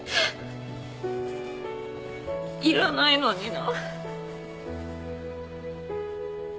いらないのにな。